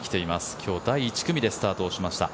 今日第１組でスタートしました。